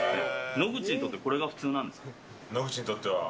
野口にとっては、これが普通です。